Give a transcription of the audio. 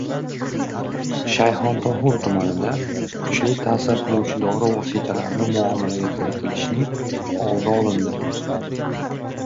Shayxontohur tumanida kuchli ta’sir qiluvchi dori vositalarini muomalaga kiritilishining oldi olindi